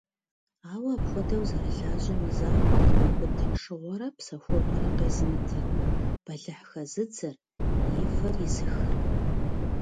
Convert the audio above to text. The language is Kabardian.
Ауэ апхуэдэу зэрылажьэм и закъуэкъым абы тыншыгъуэрэ псэхугъуэрэ къезымытыр, бэлыхь хэзыдзэр, и фэр изыхыр.